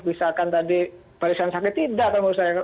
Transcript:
misalkan tadi barisan sakit tidak menurut saya